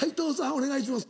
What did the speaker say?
お願いします。